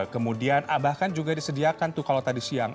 kemudian bahkan juga disediakan tuh kalau tadi siang